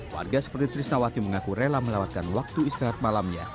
warga seperti trisnawati mengaku rela melewatkan waktu istirahat malamnya